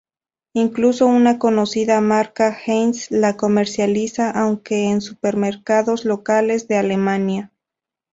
Incluso una conocida marca, Heinz, la comercializa, aunque en supermercados locales de Alemania.